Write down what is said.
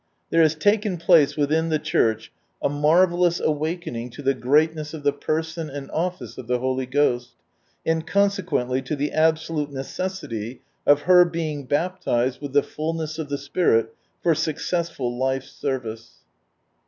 There has taken place within the Church a marvellous awakening to the great ness of the Person and Oflicc of the Holy Ghost : and consequently to the absolute necessity of her being baptized with the fulness of the Spirit for successful life service.